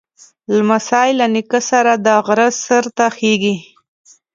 لمسی له نیکه سره د غره سر ته خېږي.